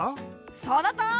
そのとおり！